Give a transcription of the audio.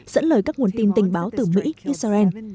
dẫn lời các nguồn tin tình báo từ mỹ israel